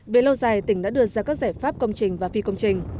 về lâu dài tỉnh đã đưa ra các giải pháp công trình và phi công trình